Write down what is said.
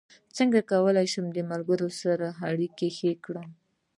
څنګه کولی شم د ملګرو سره اړیکې ښې کړم